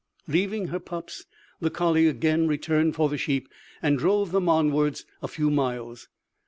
Leaving her pups, the colley again returned for the sheep, and drove them onwards a few miles.